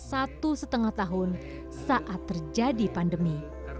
satu setengah tahun saat terjadi pandemi